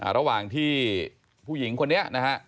ระหว่างที่ผู้หญิงคนนี้นะฮะ